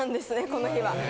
この日は。